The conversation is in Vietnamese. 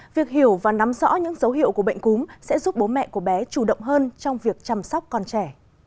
việc hiểu và nắm rõ những dấu hiệu của bệnh cúm sẽ giúp bố mẹ của bé chủ động hơn trong việc chăm sóc con trẻ